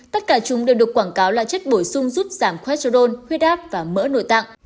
tất cả chúng đều được quảng cáo là chất bổ sung giúp giảm khoecherdon huyết áp và mỡ nội tạng